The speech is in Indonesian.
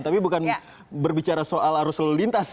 tapi bukan berbicara soal arus lalu lintas